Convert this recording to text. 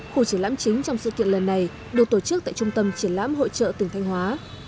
khu triển lãm chính trong sự kiện lần này được tổ chức tại trung tâm triển lãm hội trợ tỉnh thanh hóa